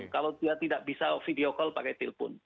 kalau dia tidak bisa video call pakai telepon